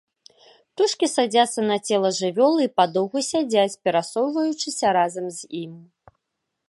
Птушкі садзяцца на цела жывёлы і падоўгу сядзяць, перасоўваючыся разам з ім.